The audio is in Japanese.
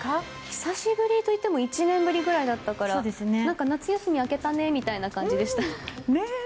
久しぶりといっても１年ぶりぐらいだったから夏休み明けたねみたいな感じでした。